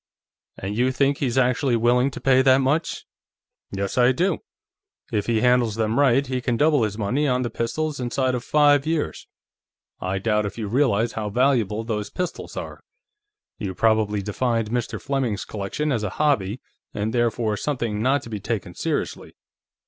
"And you think he's actually willing to pay that much?" "Yes, I do. If he handles them right, he can double his money on the pistols inside of five years. I doubt if you realize how valuable those pistols are. You probably defined Mr. Fleming's collection as a 'hobby' and therefore something not to be taken seriously.